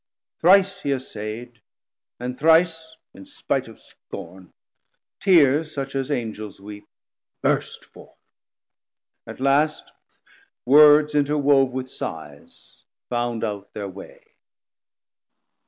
Thrice he assayd, and thrice in spite of scorn, Tears such as Angels weep, burst forth: at last 620 Words interwove with sighs found out their way.